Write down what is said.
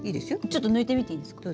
ちょっと抜いてみていいですか？